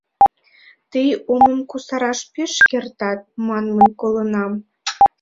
Тый омым кусараш пеш кертат манмым колынам.